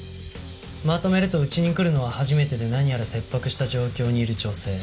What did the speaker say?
まとめるとうちに来るのは初めてで何やら切迫した状況にいる女性。